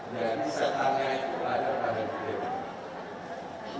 jadi setan yang itu ada paling detail